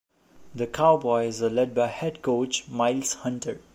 The Cowboys are led by head coach Miles Hunter.